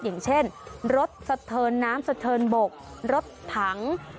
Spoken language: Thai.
อย่างเช่นรถสะเทินน้ำสะเทินบกรถถัง